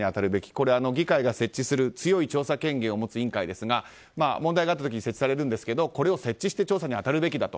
これは議会が設置する強い調査権限を持つ委員会ですが問題になった時に設置されるんですがこれを設置して調査に当たるべきだと。